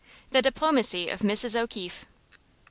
The Diplomacy Of Mrs. O'Keefe.